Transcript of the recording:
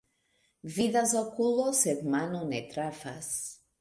Vidas okulo, sed mano ne trafas.